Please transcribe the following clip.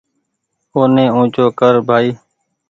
اوني اونچو ڪر ڀآئي